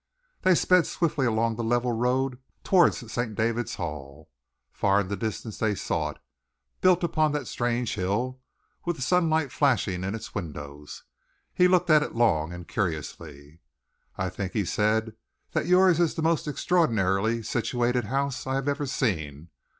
They sped swiftly along the level road towards St. David's Hall. Far in the distance they saw it, built upon that strange hill, with the sunlight flashing in its windows. He looked at it long and curiously. "I think," he said, "that yours is the most extraordinarily situated house I have ever seen.